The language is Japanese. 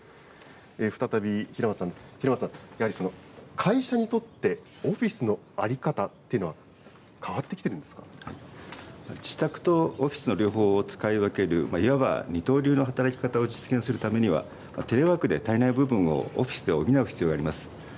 再び平松さん、やはりそのオフィスの在り方っていうのは変わって自宅とオフィスの両方を使い分ける、いわば二刀流の働き方を実現するためには、テレワークで足りない部分をオフィスで補う必要があります。